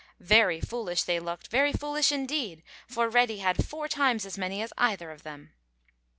Very foolish they looked, very foolish indeed, for Reddy had four times as many as either of them.